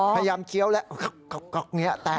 พยายามเคี้ยวแล้วก็แบบนี้แปลง